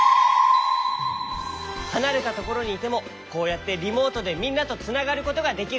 はなれたところにいてもこうやってリモートでみんなとつながることができるよ！